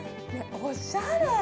おしゃれ！